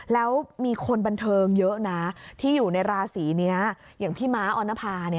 แล้วมีคนบันเทิงเยอะนะที่อยู่ในราศีนี้อย่างพี่ม้าออนภา